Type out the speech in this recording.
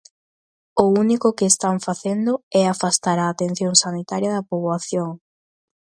O único que están facendo é afastar a atención sanitaria da poboación.